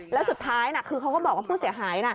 แล้วสุดท้ายคือเขาก็บอกว่าผู้เสียหายน่ะ